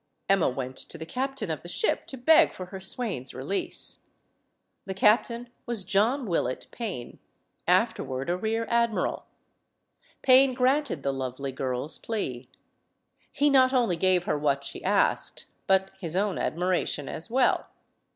Emma went to the captain of the ship to beg for her swain's 254 STORIES OF THE SUPER WOMEN release. The captain was John Willett Payn, aferward a rear admiral. Payne granted the lovely girl's plea. He not only gave her what she asked, but his own ad miration as well.